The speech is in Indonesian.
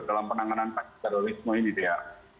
dalam penanganan kasus terorisme ini dea